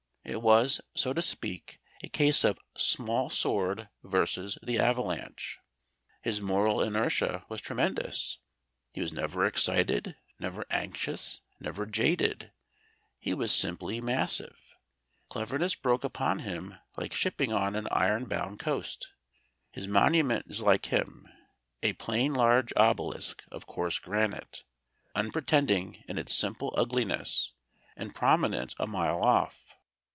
It was, so to speak, a case of small sword versus the avalanche. His moral inertia was tremendous. He was never excited, never anxious, never jaded; he was simply massive. Cleverness broke upon him like shipping on an ironbound coast. His monument is like him a plain large obelisk of coarse granite, unpretending in its simple ugliness and prominent a mile off.